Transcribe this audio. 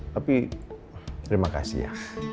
tapi terima kasih ya